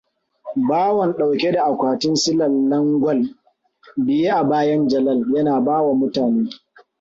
Bawan ɗauke da akwatin silallan gwal biye a bayan Jalal, yana bawa mutane.